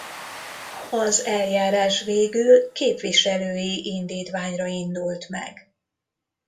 Az eljárás végül képviselői indítványra indult meg.